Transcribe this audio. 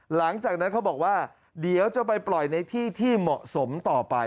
หลังจากนั้นเขาบอกว่าเดี๋ยวจะไปปล่อยในที่ที่เหมาะสมต่อไป